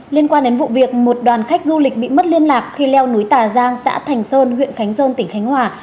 liên quan đến vụ việc một đoàn khách du lịch bị mất liên lạc khi leo núi tà giang xã thành sơn huyện khánh sơn tỉnh khánh hòa